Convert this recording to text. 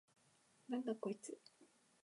なんだこいつ！？